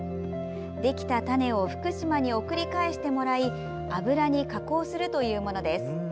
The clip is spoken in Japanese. できた種を福島に送り返してもらい油に加工するというものです。